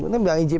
ini bukan igp ini